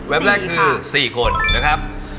แว็บแรกคือ๔คนนะครับ